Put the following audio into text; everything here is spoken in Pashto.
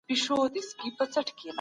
زاهد